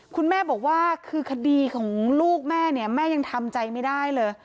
คุณแม่บอกว่าคือคดีของลูกแม่เนี่ยแม่ยังทำใจไม่ได้เลย